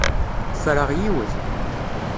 Ffreɣ yiwet.